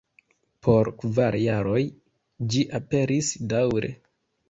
Por kvar jaroj ĝi aperis daŭre.